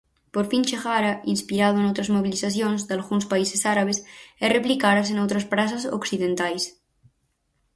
Por fin chegara, inspirado noutras mobilizacións dalgúns países árabes, e replicárase noutras prazas occidentais.